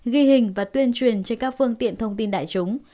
ghi hình và tuyên truyền trên các phương tiện thông tin đại chúng